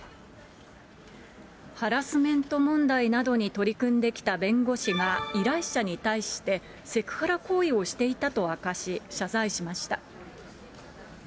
ハラスメント問題などに取り組んできた弁護士が、依頼者に対してセクハラ行為をしていたと明かし、謝罪しました。